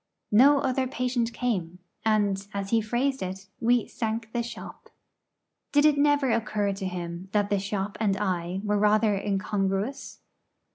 No other patient came; and, as he phrased it, we 'sank the shop.' Did it never occur to him that the 'shop' and I were rather incongruous?